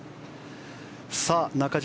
中島